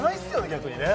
逆にね